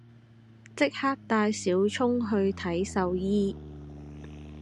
即刻帶小聰去睇獸醫